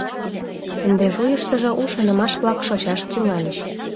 Ынде вуйыштыжо у шонымаш-влак шочаш тӱҥальыч.